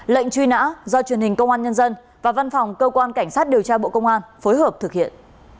lệnh truy nã do truyền hình công an nhân dân và văn phòng cơ quan cảnh sát điều tra bộ công an phối hợp thực hiện